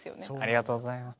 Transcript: ありがとうございます。